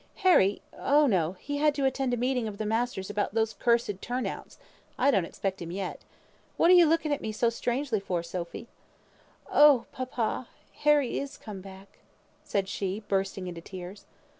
"Harry! oh no! he had to attend a meeting of the masters about these cursed turn outs. I don't expect him yet. What are you looking at me so strangely for, Sophy?" "Oh, papa, Harry is come back," said she, bursting into tears.